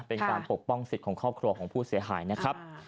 ปกป้องสิทธิ์ของครอบครัวของผู้เสียหายนะครับ